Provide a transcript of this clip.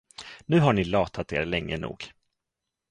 Nu har ni latat er länge nog.